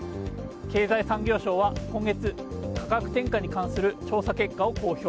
経済産業省は今月価格転嫁に関する調査結果を公表。